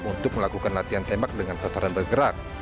untuk melakukan latihan tembak dengan sasaran bergerak